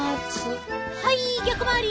はい逆回り！